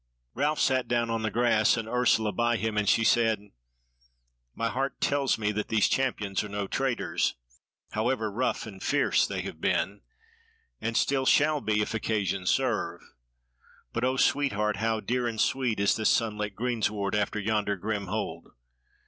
Ralph sat down on the grass and Ursula by him, and she said: "My heart tells me that these Champions are no traitors, however rough and fierce they have been, and still shall be if occasion serve. But O, sweetheart, how dear and sweet is this sunlit greensward after yonder grim hold.